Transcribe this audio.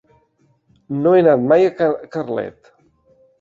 No he anat mai a Carlet.